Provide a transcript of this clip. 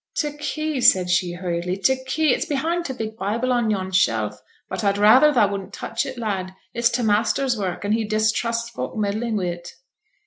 'T' key,' said she, hurriedly, 't' key, it's behind th' big Bible on yon shelf. But I'd rayther thou wouldn't touch it, lad; it's t' master's work, and he distrusts folk meddling wi' it.'